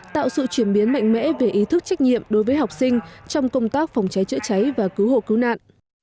tạo sự chuyển biến mạnh mẽ về ý thức trách nhiệm đối với học sinh trong công tác phòng cháy chữa cháy và cứu hộ cứu nạn